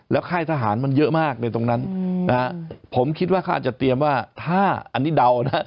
ค่ายทหารมันเยอะมากในตรงนั้นนะฮะผมคิดว่าเขาอาจจะเตรียมว่าถ้าอันนี้เดานะ